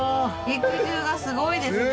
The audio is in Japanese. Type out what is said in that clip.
肉汁がすごいですね。